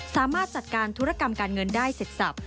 สามารถจัดการธุรกรรมการเงินได้เสร็จสับ